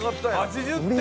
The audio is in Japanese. ８０点！